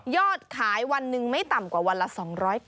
ยอดขายวันหนึ่งไม่ต่ำกว่าวันละ๒๐๐กล่อง